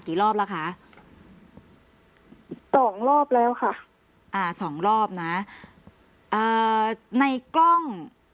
รอบแล้วคะสองรอบแล้วค่ะอ่าสองรอบนะอ่าในกล้อง